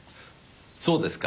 そうですか。